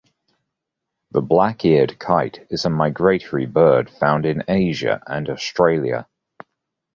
The black-eared kite is a migratory bird found in Asia and Australia.